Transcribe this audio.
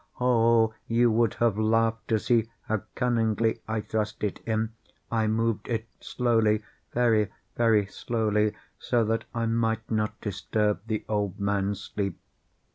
Oh, you would have laughed to see how cunningly I thrust it in! I moved it slowly—very, very slowly, so that I might not disturb the old man's sleep.